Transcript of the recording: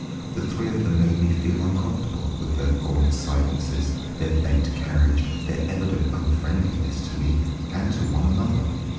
The three of them made me feel uncomfortable with their gaunt silences, their bent carriage, their evident unfriendliness to me and to one another.